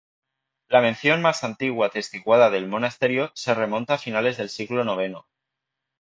La mención más antigua atestiguada del monasterio se remonta a finales del siglo noveno.